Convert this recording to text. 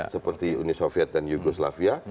seperti uni soviet dan yugoslavia